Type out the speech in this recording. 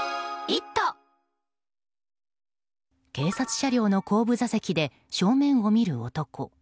警察車両の後部座席で正面を見る男。